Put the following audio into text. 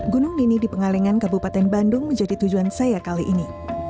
gunung nini di pengalengan kabupaten bandung menjadi tujuan saya kali ini